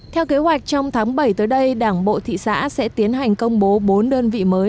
theo kế hoạch trong tháng bảy tới đây đảng bộ thị xã sẽ tiến hành công bố bốn đơn vị mới